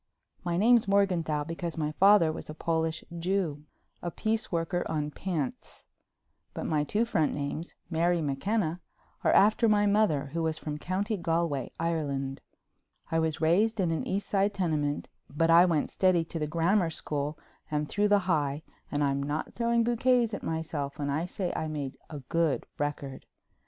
My name's Morganthau because my father was a Polish Jew—a piece worker on pants—but my two front names, Mary McKenna, are after my mother, who was from County Galway, Ireland. I was raised in an East Side tenement, but I went steady to the Grammar school and through the High and I'm not throwing bouquets at myself when I say I made a good record.